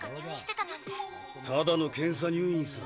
ただの検査入院さ。